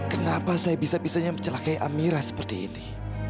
kenapa saya bisa bisanya mencelakai amira seperti ini